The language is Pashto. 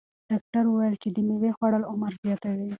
ډاکتر وویل چې د مېوې خوړل عمر زیاتوي.